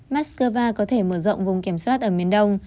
moscow có thể mở rộng vùng kiểm soát ở miền đông